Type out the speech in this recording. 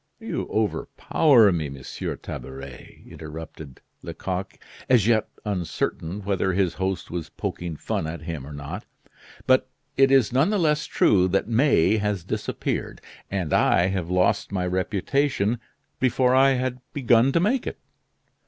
"You overpower me, Monsieur Tabaret!" interrupted Lecoq, as yet uncertain whether his host was poking fun at him or not. "But it is none the less true that May has disappeared, and I have lost my reputation before I had begun to make it."